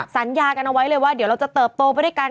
สัญญากันเอาไว้เลยว่าเดี๋ยวเราจะเติบโตไปด้วยกัน